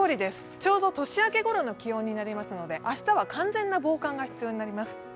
ちょうど年明けごろの気温になりますので、明日は完全な防寒が必要になります。